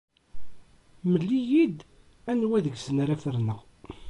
Mel-iyi-d anwa deg-sen ara ferneɣ.